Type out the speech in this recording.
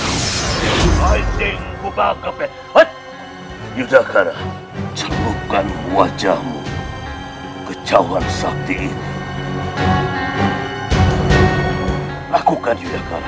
hah hop hai bising gubakapet yudhakara celupkan wajahmu kecauan sakti lakukan yudhakara